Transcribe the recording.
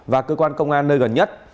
và cơ quan công an nơi gần nhất